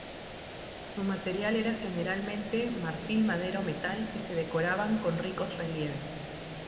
Su material era generalmente marfil, madera o metal, y se decoraban con ricos relieves.